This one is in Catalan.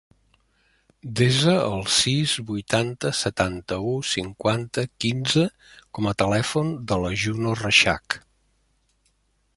Desa el sis, vuitanta, setanta-u, cinquanta, quinze com a telèfon de la Juno Reixach.